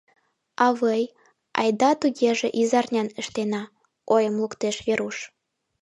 — Авый, айда тугеже изарнян ыштена, — ойым луктеш Веруш.